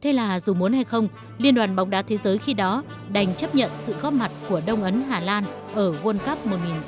thế là dù muốn hay không liên đoàn bóng đá thế giới khi đó đành chấp nhận sự góp mặt của đông ấn hà lan ở world cup một nghìn chín trăm tám mươi hai